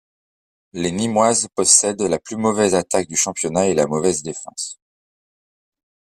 Les Nîmoises possèdent la plus mauvaise attaque du championnat et la mauvaise défense.